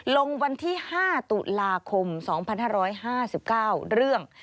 ลงวันที่๕ตุลาคม๒๕๕๙เรื่อง